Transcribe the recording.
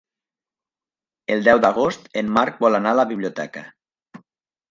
El deu d'agost en Marc vol anar a la biblioteca.